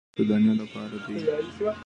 د جوارو کښت د دانې لپاره دی